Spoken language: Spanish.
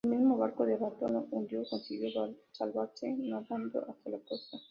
El mismo barco de Abanto se hundió, consiguiendo salvarse nadando hasta la costa.